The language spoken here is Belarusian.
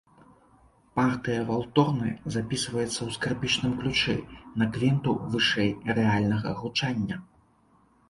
Партыя валторны запісваецца ў скрыпічным ключы на квінту вышэй рэальнага гучання.